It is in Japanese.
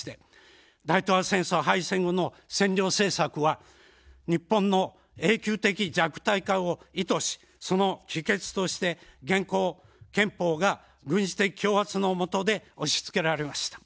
大東亜戦争敗戦後の占領政策は日本の永久的弱体化を意図し、その帰結として現行憲法が軍事的強圧のもとで押しつけられました。